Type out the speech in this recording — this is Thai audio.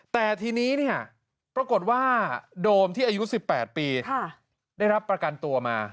แต่ทีนี้เนี่ยปรากฏว่าโดมที่อายุ๑๘ปีได้รับประกันตัวมา